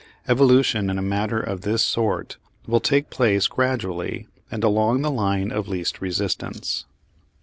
Evolution in a matter of this sort will take place gradually and along the line of least resistance.